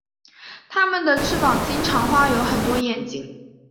他们的翅膀经常画有很多眼睛。